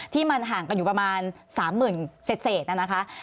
ที่มันห่างกันอยู่ประมาณ๓๐๐๐เศษนะคะ